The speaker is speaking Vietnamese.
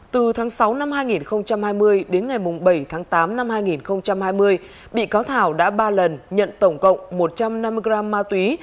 từ tháng sáu năm hai nghìn hai mươi đến ngày bảy tháng tám năm hai nghìn hai mươi bị cáo thảo đã ba lần nhận tổng cộng một trăm năm mươi gram ma túy